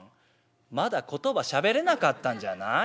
「まだ言葉しゃべれなかったんじゃない？」。